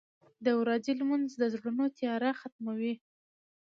• د ورځې لمونځ د زړونو تیاره ختموي.